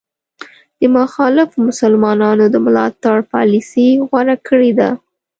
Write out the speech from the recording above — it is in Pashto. د مخالفو مسلمانانو د ملاتړ پالیسي غوره کړې ده.